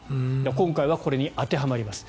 今回はこれに当てはまります。